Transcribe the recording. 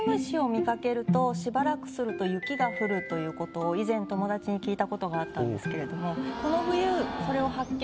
しばらくすると。ということを以前友達に聞いたことがあったんですけれど。